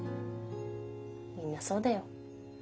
みんなそうだよ。